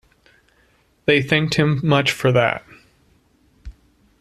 They thanked him much for that.